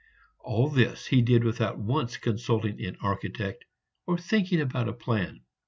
All this he did without once consulting an architect or thinking about a plan.